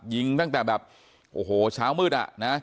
ยิงตั้งแต่แบบโอ้โหเช้ามืดอ่ะนะ